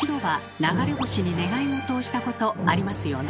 流れ星に願いごとをしたことありますよね。